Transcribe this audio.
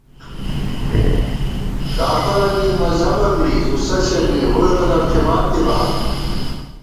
کافَرَنی مذہَبہ بی، زُو سَسِیَنی ووئی قدر تھِمانتِبا